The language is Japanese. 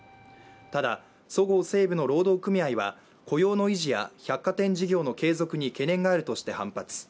ただ、そごう・西武の労働組合は雇用の維持や百貨店事業の継続に懸念があるとして反発。